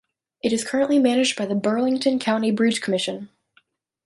It is currently managed by the Burlington County Bridge Commission.